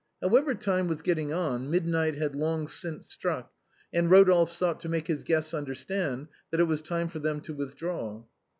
However time was getting on, midnight had long since struck, and Rodolphe sought to make his guests understand that it was time for them to withdraw.